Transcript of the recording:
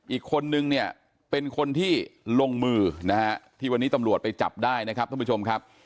อีกคนนึงเนี่ยเป็นคนที่ลงมือนะฮะที่วันนี้ตำรวจไปจับได้นะครับท่านผู้ชมครับ